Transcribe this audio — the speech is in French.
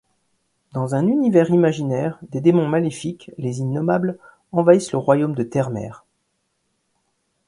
Dans un univers imaginaire, des démons maléfiques, les Innommables, envahissent le Royaume de Terremer.